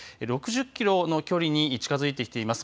６０キロの距離に近づいてきています